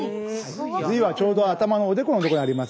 頭維はちょうど頭のおでこの所にあります。